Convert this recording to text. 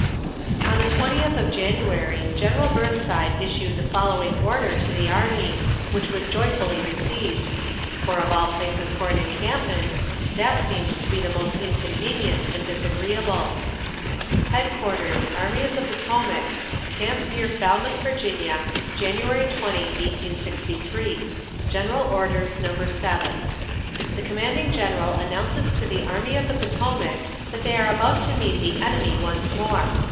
On the twentieth of January General Burnside issued the following order to the army, which was joyfully received; for of all places for an encampment, that seemed to be the most inconvenient and disagreeable: HEAD QUARTERS, ARMY OF THE POTOMAC, Camp near Falmouth, Va., Jan. 20, 1863. GENERAL ORDERS No. 7. The Commanding General announces to the Army of the Potomac that they are about to meet the enemy once more.